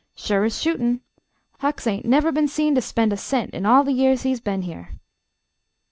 "Sure as shootin'. Hucks hain't never been seen to spend a cent in all the years he's been here."